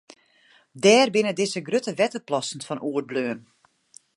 Dêr binne dizze grutte wetterplassen fan oerbleaun.